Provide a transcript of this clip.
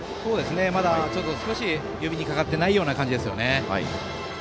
まだちょっと少し指にかかってないような感じですよね。